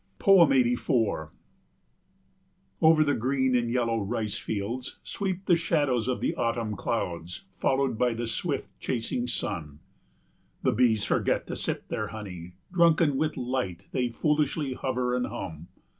84 Over the green and yellow rice fields sweep the shadows of the autumn clouds followed by the swift chasing sun. The bees forget to sip their honey; drunken with light they foolishly hover and hum.